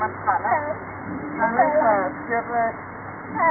ขอบคุณที่ทำดีดีกับแม่ของฉันหน่อยครับ